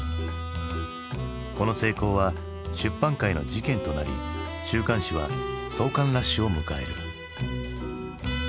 この成功は出版界の事件となり週刊誌は創刊ラッシュを迎える。